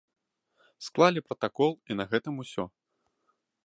Склалі пратакол, і на гэтым усё.